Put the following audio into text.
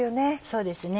そうですね。